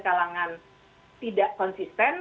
kalangan tidak konsisten